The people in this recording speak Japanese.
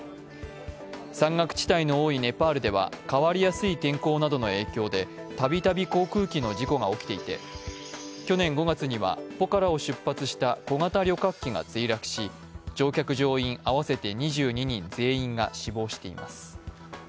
山岳地帯の多いネパールでは変わりやすい天候などの影響でたびたび航空機の事故が起きていて去年５月には、ポカラを出発した小型旅客機が墜落し乗客・乗員合わせて２２人全員が死亡しています。